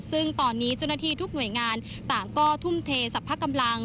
ซึ่งตอนนี้เจ้าหน้าที่ทุกหน่วยงานต่างก็ทุ่มเทสรรพกำลัง